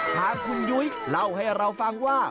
ทางคุณยุ้ยเล่าให้เราฟังว่า